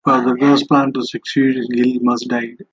For Druaga's plan to succeed, Gil must die.